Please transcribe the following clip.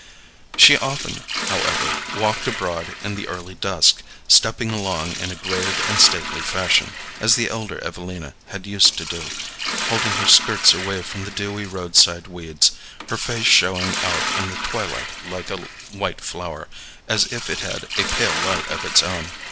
She often, however, walked abroad in the early dusk, stepping along in a grave and stately fashion, as the elder Evelina had used to do, holding her skirts away from the dewy roadside weeds, her face showing out in the twilight like a white flower, as if it had a pale light of its own.